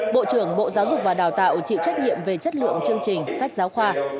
bộ trưởng bộ giáo dục và đào tạo chịu trách nhiệm về chất lượng chương trình sách giáo khoa